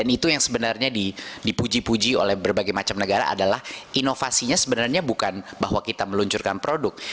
itu yang sebenarnya dipuji puji oleh berbagai macam negara adalah inovasinya sebenarnya bukan bahwa kita meluncurkan produk